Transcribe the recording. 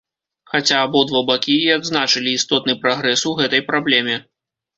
Хаця абодва бакі і адзначылі істотны прагрэс у гэтай праблеме.